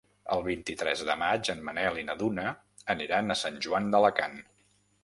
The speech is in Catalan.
El vint-i-tres de maig en Manel i na Duna aniran a Sant Joan d'Alacant.